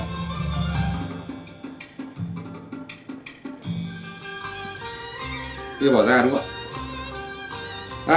thì bỏ ra đúng không ạ